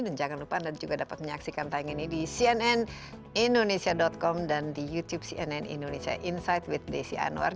dan jangan lupa anda juga dapat menyaksikan tayang ini di cnn indonesia com dan di youtube cnn indonesia insight with desy anwar